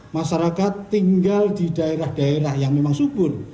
masyarakat tinggal di daerah daerah yang memang subur